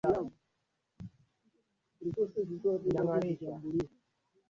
aliyeundwa na binamu yake China weusi na Kasir Mnamo elfu moja mia tisa